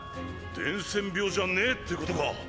伝染病じゃねえってことか。